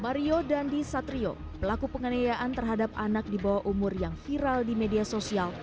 mario dandi satrio pelaku penganiayaan terhadap anak di bawah umur yang viral di media sosial